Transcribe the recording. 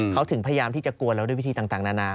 เขาถึงพยายามที่จะกลัวแล้วด้วยวิธีต่างนานา